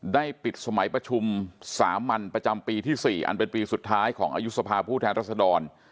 ได้ปิดสมัยประชุมสามัญประจำปีที่๔อันเป็นปีสุดท้ายของอายุสภาพผู้แทนรัศดร